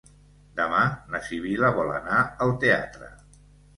Demà na Sibil·la vol anar al teatre.